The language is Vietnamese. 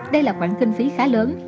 đây là khoảng kinh phí khá lớn